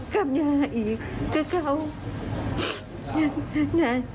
ครับหญ้าคือเขา